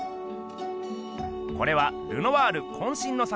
これはルノワールこんしんの作。